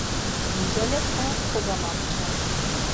Ncalepe kogamapç̌at.